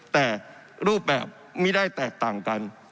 แต่รูปแบบไม่ได้แตกต่างกัน